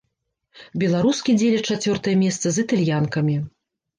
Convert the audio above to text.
Беларускі дзеляць чацвёртае месца з італьянкамі.